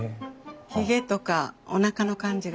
ひげとかおなかの感じがそっくり。